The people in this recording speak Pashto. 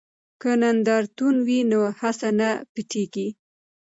که نندارتون وي نو هڅه نه پټیږي.